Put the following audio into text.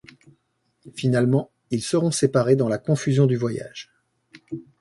Finalement, ils seront séparés dans la confusion du voyage.